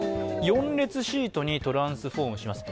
４列シートにトランスフォームします。